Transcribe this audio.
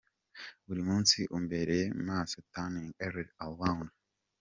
‘Buri munsi’, ‘Umbereye maso’, ‘Turning everything around